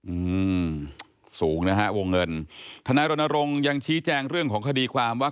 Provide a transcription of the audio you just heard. อืมสูงนะฮะวงเงินทนายรณรงค์ยังชี้แจงเรื่องของคดีความว่า